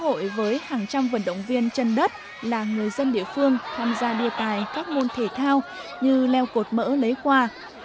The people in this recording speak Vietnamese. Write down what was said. phần trò chơi trong lễ hội với hàng trăm vận động viên chân đất là người dân địa phương tham gia đề tài các môn thể thao như leo cột mỡ lấy quà